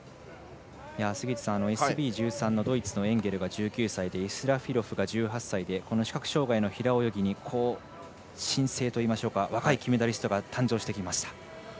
ＳＢ１３のドイツのエンゲルが１９歳、イスラフィロフが１８歳でこの視覚障がいの平泳ぎに新星といいますか若い金メダリストが誕生してきました。